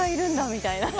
みたいな。